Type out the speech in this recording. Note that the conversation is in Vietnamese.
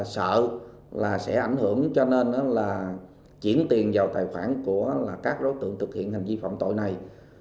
sợ là sẽ ảnh hưởng cho nên là chuyển tiền vào tài khoản của các đối tượng thực hiện hành vi phạm tội này